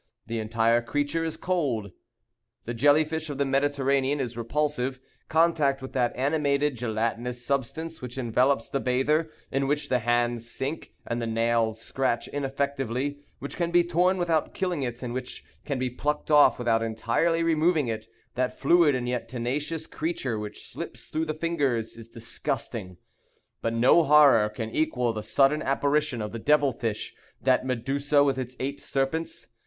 The entire creature is cold. The jelly fish of the Mediterranean is repulsive. Contact with that animated gelatinous substance which envelopes the bather, in which the hands sink, and the nails scratch ineffectively; which can be torn without killing it, and which can be plucked off without entirely removing it—that fluid and yet tenacious creature which slips through the fingers, is disgusting; but no horror can equal the sudden apparition of the devil fish, that Medusa with its eight serpents.